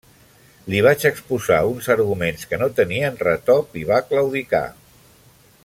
Li vaig exposar uns arguments que no tenien retop i va claudicar.